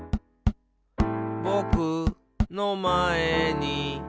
「ぼくのまえに」